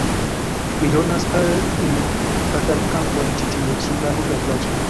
Mi donas al ili batalkampon ĉi tie, sur la Ruĝa Placo.